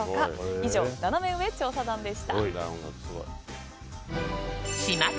以上、ナナメ上調査団でした。